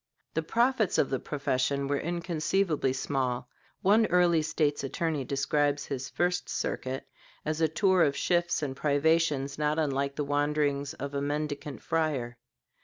The profits of the profession were inconceivably small. One early State's Attorney describes his first circuit as a tour of shifts and privations not unlike the wanderings of a mendicant friar.